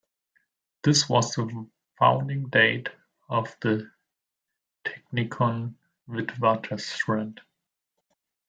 This was the founding date of the Technikon Witwatersrand.